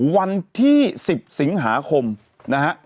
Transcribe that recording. วันที่๑๐สิงหาคมนะฮะ